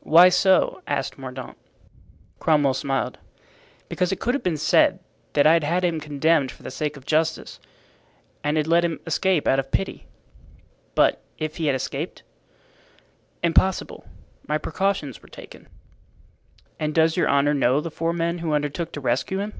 "Why so?" asked Mordaunt. Cromwell smiled. "Because it could have been said that I had had him condemned for the sake of justice and had let him escape out of pity." "But if he had escaped?" "Impossible; my precautions were taken." "And does your honor know the four men who undertook to rescue him?"